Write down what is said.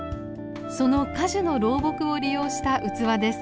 その果樹の老木を利用した器です。